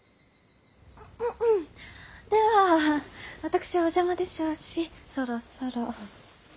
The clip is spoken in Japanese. では私はお邪魔でしょうしそろそろ。